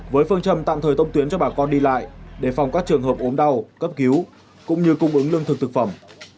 với phương trầm tạm thời thông tuyến cho bà con đi lại đề phòng các trường hợp ốm đau cấp cứu cũng như cung ứng lương thực thực phẩm